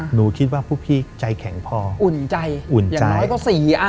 หนูคิดว่าพวกพี่ใจแข็งพออุ่นใจอุ่นอย่างน้อยก็สี่อ่ะ